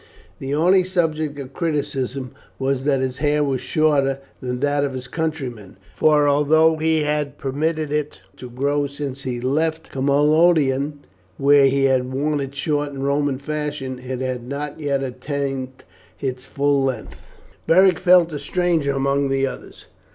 The only subject of criticism was that his hair was shorter than that of his countrymen, for although he had permitted it to grow since he left Camalodunum, where he had worn it short, in Roman fashion, it had not yet attained its full length. Beric felt a stranger among the others.